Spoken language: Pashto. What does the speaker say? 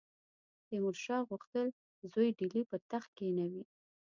تیمورشاه غوښتل زوی ډهلي پر تخت کښېنوي.